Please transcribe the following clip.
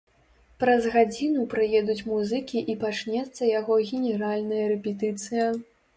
Праз гадзіну прыедуць музыкі і пачнецца яго генеральная рэпетыцыя.